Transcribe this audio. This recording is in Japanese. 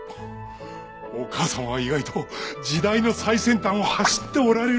お母様は意外と時代の最先端を走っておられるのですねえ。